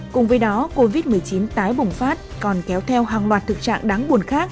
cùng với đó covid một mươi chín tái bùng phát còn kéo theo hàng loạt thực trạng đáng buồn khác